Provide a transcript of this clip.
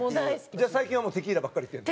じゃあ最近はもうテキーラばっかりいってるの？